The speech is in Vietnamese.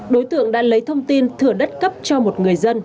đối tượng đã lấy thông tin thửa đất cấp cho một người dân